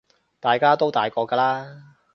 大家都大個㗎喇